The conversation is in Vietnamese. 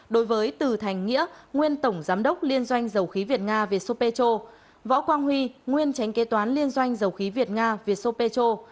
đối với từ thành nghĩa nguyên tổng giám đốc liên doanh dầu khí việt nga viet sopecho võ quang huy nguyên tránh kế toán liên doanh dầu khí việt nga viet sopecho